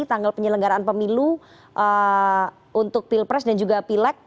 tanggal penyelenggaraan pemilu untuk pilpres dan juga pileg